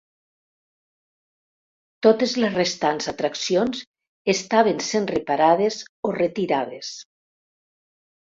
Totes les restants atraccions estaven sent reparades o retirades.